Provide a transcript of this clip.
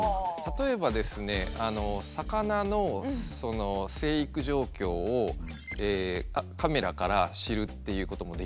例えば魚の成育状況をカメラから知るっていうこともできますね。